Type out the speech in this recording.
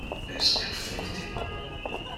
Es perfecte.